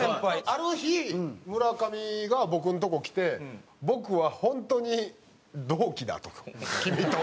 ある日村上が僕のとこ来て「僕は本当に同期だ君と」。